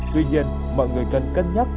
tuy nhiên mọi người cần cân nhắc